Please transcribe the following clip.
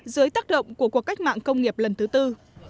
dưới tác động của cuộc cách mạng công nghiệp lần thứ tư